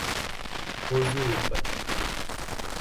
حظوب